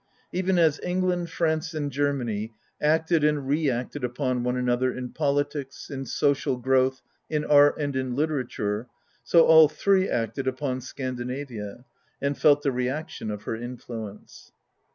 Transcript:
Even as England, France, and Germany acted and reacted upon one another in politics, in social growth, in art, and in literature, so all three acted upon Scandinavia, and felt the reaction of her influence.